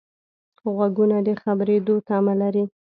غوږونه د خبرېدو تمه لري